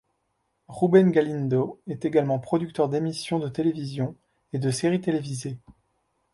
Rubén Galindo est également producteur d'émissions de télévision et de séries télévisées.